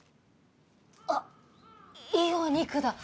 あっいいお肉だ！